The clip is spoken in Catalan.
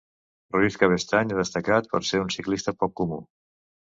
Ruiz Cabestany ha destacat per ser un ciclista poc comú.